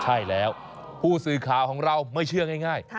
ใช่แล้วผู้สื่อข่าวของเราไม่เชื่อง่าย